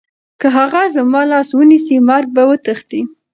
که هغه زما لاس ونیسي، مرګ به وتښتي.